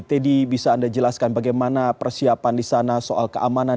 teddy bisa anda jelaskan bagaimana persiapan di sana soal keamanan